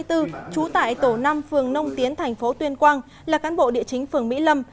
trú tại tổ năm phường nông tiến thành phố tuyên quang là cán bộ địa chính phường mỹ lâm